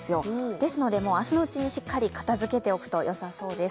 ですので明日のうちに、しっかり片づけておくとよさそうです。